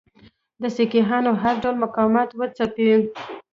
د سیکهانو هر ډول مقاومت وځپي.